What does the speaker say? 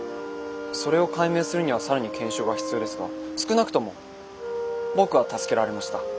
それを解明するには更に検証が必要ですが少なくとも僕は助けられました。